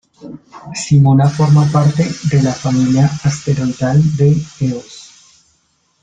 Simona forma parte de la familia asteroidal de Eos.